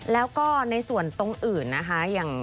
แล้วก็ในส่วนตรงอื่นนะคะ